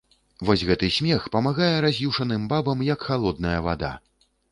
Вось гэты смех памагае раз'юшаным бабам, як халодная вада.